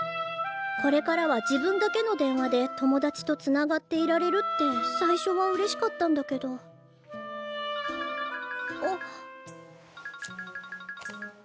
これからは自分だけの電話で友達とつながっていられるって最初はうれしかったんだけどあ。